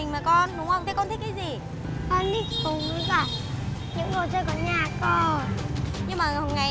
em lỗi em